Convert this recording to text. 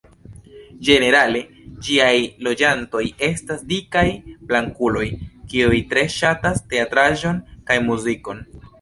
Ĝenerale, ĝiaj loĝantoj estas dikaj blankuloj kiuj tre ŝatas teatraĵon kaj muzikon.